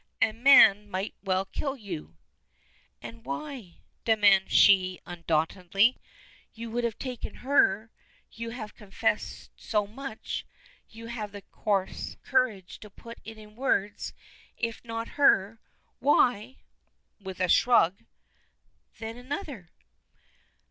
"A man might well kill you!" "And why?" demands she, undauntedly. "You would have taken her you have confessed so much you had the coarse courage to put it into words. If not her, why" with a shrug "then another!"